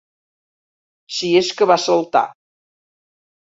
Si és que va saltar.